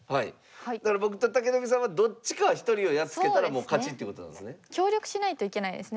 だから僕と武富さんはどっちか一人をやっつけたらもう勝ちってことなんですね。